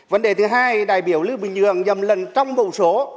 vấn đề thứ hai đại biểu lưu bình nhưỡng nhầm lẫn trong bộ số